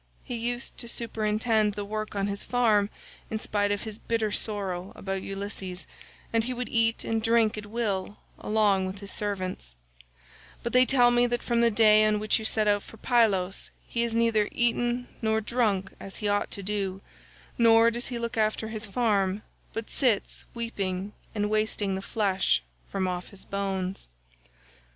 He used to superintend the work on his farm in spite of his bitter sorrow about Ulysses, and he would eat and drink at will along with his servants; but they tell me that from the day on which you set out for Pylos he has neither eaten nor drunk as he ought to do, nor does he look after his farm, but sits weeping and wasting the flesh from off his bones."